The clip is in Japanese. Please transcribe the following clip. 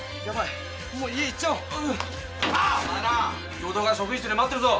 教頭が職員室で待ってるぞ。